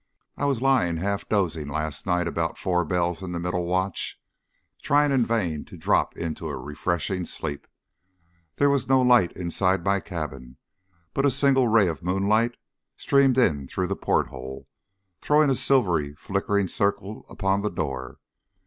I was lying half dozing last night about four bells in the middle watch trying in vain to drop into a refreshing sleep. There was no light inside my cabin, but a single ray of moonlight streamed in through the port hole, throwing a silvery flickering circle upon the door.